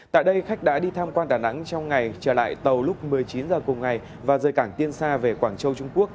tại đây khách đã đi tham quan đà nẵng trong ngày trở lại tàu lúc một mươi chín h cùng ngày và rời cảng tiên sa về quảng châu trung quốc